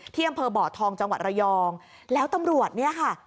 ที่อำเภอบ่อทองจังหวัดระยองแล้วตำรวจเนี่ยค่ะ